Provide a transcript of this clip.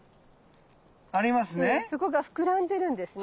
そこが膨らんでるんですね。